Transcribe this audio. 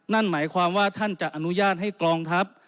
นั่นหมายความว่าท่านจะอนุญาตให้กองทัพ